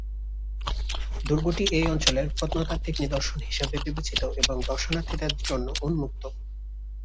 দুর্গটি এই অঞ্চলের প্রত্নতাত্ত্বিক নিদর্শন হিসাবে বিবেচিত এবং দর্শনার্থীদের জন্য উন্মুক্ত।